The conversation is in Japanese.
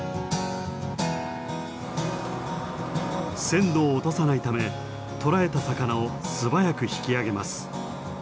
鮮度を落とさないため捕らえた魚を素早く引き上げます。